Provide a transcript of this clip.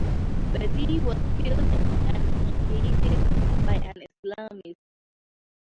Paty was killed and beheaded by an Islamist.